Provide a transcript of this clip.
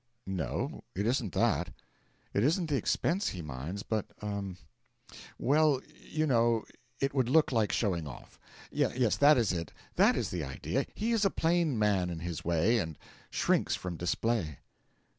'No it isn't that. It isn't the expense he minds, but er well, you know, it would look like showing off. Yes, that is it, that is the idea; he is a plain man in his way, and shrinks from display.'